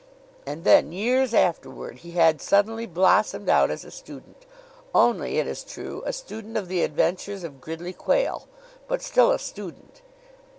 And then, years afterward, he had suddenly blossomed out as a student only, it is true, a student of the Adventures of Gridley Quayle; but still a student.